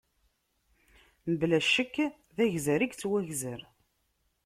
Mebla ccekk, d agzar i yettwagzer.